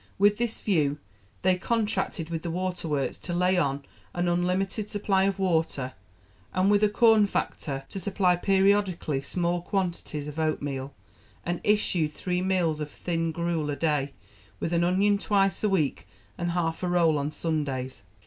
With this view, they contracted with the waterworks to lay on an unlimited supply of water; and with a corn factor to supply periodically small quantities of oatmeal; and issued three meals of thin gruel a day, with an onion twice a week, and half a roll on Sundays.